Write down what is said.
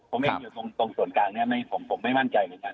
ผมไม่คิดว่าตรงส่วนกลางนะครับผมไม่มั่นใจเหมือนกัน